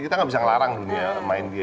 kita gak bisa ngelarang dunia main dia